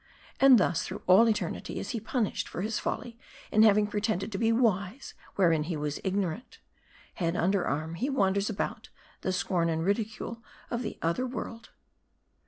And thus through all eternity is he punished for his folly, in having pretended to be wise, wherein he was ignorant. Head under arm, he wanders about, the scorn and ridicule of the other world."